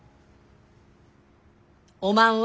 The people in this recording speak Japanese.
おまんは？